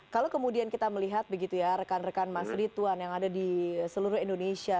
kalau kemudian kita melihat begitu ya rekan rekan mas rituan yang ada di seluruh indonesia